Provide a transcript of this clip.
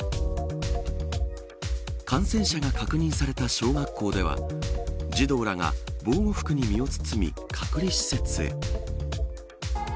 感染者が確認された小学校では児童らが防護服に身を包み隔離施設へ。